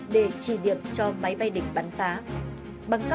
để trì điệp cho máy bay địch bắn phá